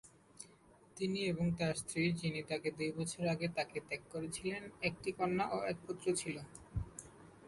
তিনি এবং তার স্ত্রীর, যিনি তাকে দু'বছরের আগে তাকে ত্যাগ করেছিলেন একটি কন্যা ও এক পুত্র ছিল।